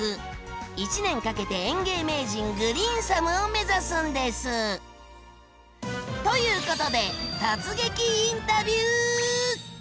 １年かけて園芸名人「グリーンサム」を目指すんです！ということで突撃インタビュー！